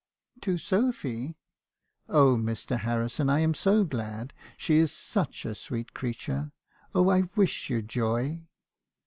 " 'To Sophy! Oh, Mr. Harrison, I am so glad; she is such a sweet creature. Oh , I wish you joy